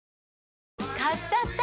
買っちゃった！